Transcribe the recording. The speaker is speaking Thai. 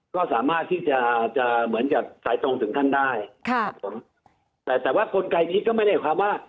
ก็สามารถที่จะจะเหมือนกับสายตรงถึงท่านได้ค่ะครับผมแต่แต่ว่ากลไกนี้ก็ไม่ได้ความว่า